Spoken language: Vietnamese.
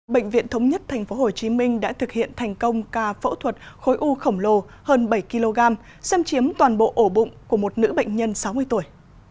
bệnh viện thống nhất tp hcm đã thực hiện thành công ca phẫu thuật khối u khổng lồ hơn bảy kg xem chiếm toàn bộ ổ bụng của một nữ bệnh nhân sáu mươi tuổi